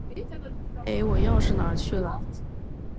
哎，我钥匙哪儿去了？